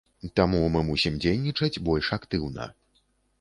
Таму мы мусім дзейнічаць больш актыўна.